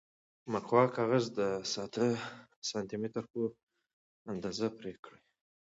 مقوا کاغذ د سانتي مترو په اندازه پرې کړئ.